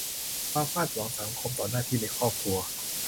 - ความคาดหวังสังคมต่อหน้าที่ในครอบครัว